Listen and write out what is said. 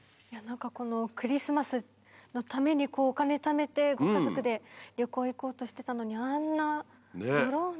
このクリスマスのためにお金ためてご家族で旅行行こうとしてたのにあんなドローン。